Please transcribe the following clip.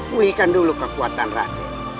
pulihkan dulu kekuatan raden